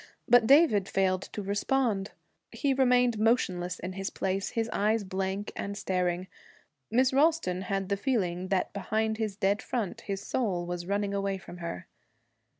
But David failed to respond. He remained motionless in his place, his eyes blank and staring. Miss Ralston had the feeling that behind his dead front his soul was running away from her.